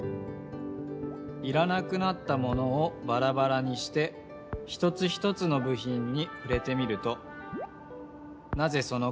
いらなくなったものをバラバラにして一つ一つのぶひんにふれてみるとなぜその形なのか？